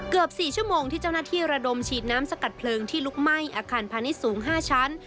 เกือบ๔ชั่วโมงที่เจ้าหน้าที่ระดมฉีดน้ำสกัดเพลิงที่ลุกไหม้อาคารพาณิชย์สูง๕ชั้น